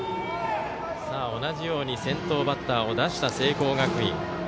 同じように先頭バッターを出した聖光学院。